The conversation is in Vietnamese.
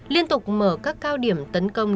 liên tục mở các cao điểm tấn công